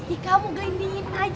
ih kamu gelindingin aja pamirnya